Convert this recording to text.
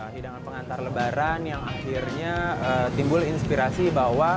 hidangan pengantar lebaran yang akhirnya timbul inspirasi bahwa